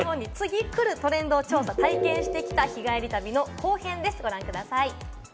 本田さんが日本に次来るトレンドを調査・体験してきた日帰り旅の後編です。